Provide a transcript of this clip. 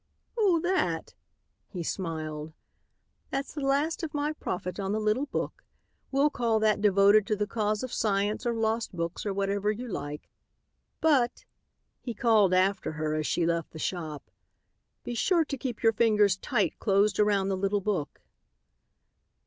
"Oh, that?" he smiled. "That's the last of my profit on the little book. We'll call that devoted to the cause of science or lost books or whatever you like. "But," he called after her, as she left the shop, "be sure to keep your fingers tight closed around the little book."